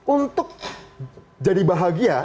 untuk jadi bahagia